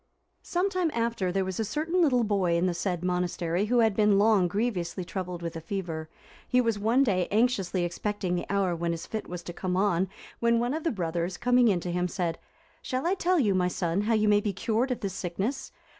Some time after, there was a certain little boy in the said monastery, who had been long grievously troubled with a fever; he was one day anxiously expecting the hour when his fit was to come on, when one of the brothers, coming in to him, said, "Shall I tell you, my son, how you may be cured of this sickness?